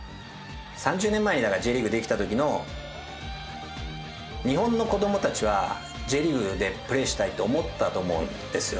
３０年前にＪリーグができた時の日本の子供たちはＪリーグでプレーしたいと思ったと思うんですよ。